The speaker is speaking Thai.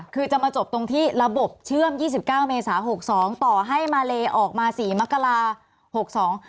คือจะมาจบตรงที่ระบบเชื่อม๒๙เมษา๖๒ต่อให้มาเลออกมา๔มกรคม๖๒